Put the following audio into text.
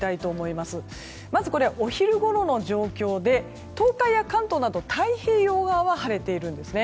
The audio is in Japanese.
まずお昼ごろの状況で東海や関東など、太平洋側は晴れているんですね。